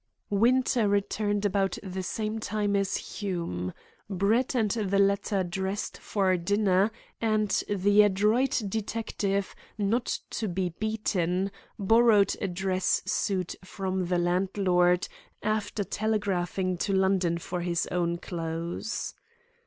Winter returned about the same time as Hume. Brett and the latter dressed for dinner, and the adroit detective, not to be beaten, borrowed a dress suit from the landlord, after telegraphing to London for his own clothes.